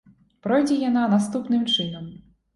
Пройдзе яна наступным чынам.